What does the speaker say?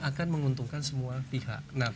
akan menguntungkan semua pihak